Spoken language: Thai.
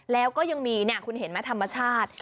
แล้วก็ยังมีคุณเห็นไหมธรรมชาติ